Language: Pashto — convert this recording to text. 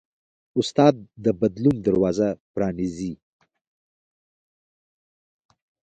استاد د بدلون دروازه پرانیزي.